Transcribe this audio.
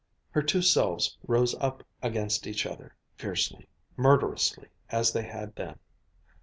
Her two selves rose up against each other fiercely, murderously, as they had then.